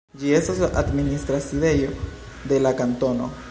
Ĝi estas la administra sidejo de la kantono.